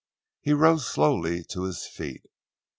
He rose slowly to his feet.